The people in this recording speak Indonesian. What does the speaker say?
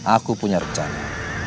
aku punya rencana